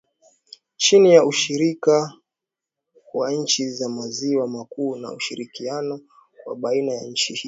chini ya ushirika wa nchi za maziwa makuu na ushirikiano wa baina ya nchi ili